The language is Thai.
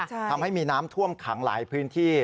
ทำให้มีน้ำท่วมขังหลายพื้นที่